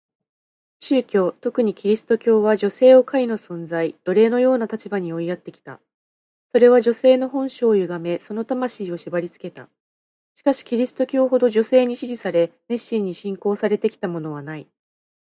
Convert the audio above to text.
宗教、特にキリスト教は、女性を下位の存在、奴隷のような立場に追いやってきた。それは女性の本性を歪め、その魂を縛りつけた。しかしキリスト教ほど女性に支持され、熱心に信仰されてきたものはない。